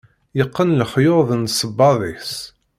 yeqqen lexyuḍ n sebbaḍ-is